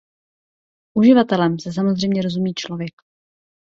Uživatelem se samozřejmě rozumí člověk.